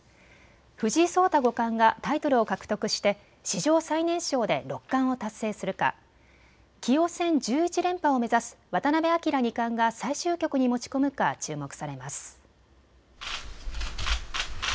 藤井聡太五冠がタイトルを獲得して史上最年少で六冠を達成するか棋王戦１１連覇を目指す渡辺明二冠が最終局に持ち込むか注目されます。